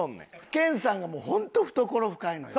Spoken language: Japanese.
研さんがホント懐深いのよ。